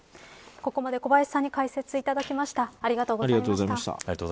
ここまで小林さん解説解いただきました。